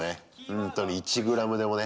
ほんとに１ｇでもね。